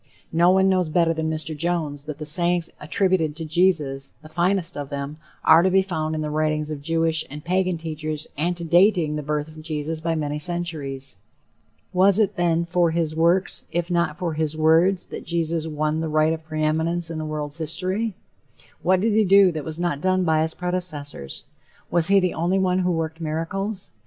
No one knows better than Mr. Jones that the sayings attributed to Jesus the finest of them are to be found in the writings of Jewish and Pagan teachers antedating the birth of Jesus by many centuries. Was it, then, for his "works," if not for his "words," that Jesus "won the right of preeminence in the world's history"? What did he do that was not done by his predecessors? Was he the only one who worked miracles?